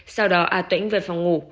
sau đó a tuyênh về phòng ngủ